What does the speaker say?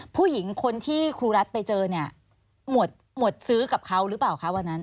ผู้หญิงคนที่ครูรัฐไปเจอเนี่ยหวดซื้อกับเขาหรือเปล่าคะวันนั้น